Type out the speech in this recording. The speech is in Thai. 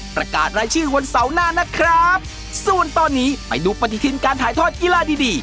ประกาศรายชื่อวันเสาร์หน้านะครับส่วนตอนนี้ไปดูปฏิทินการถ่ายทอดกีฬาดีดี